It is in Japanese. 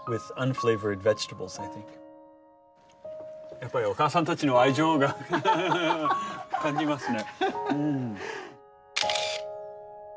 やっぱりおかあさんたちの愛情が感じますね。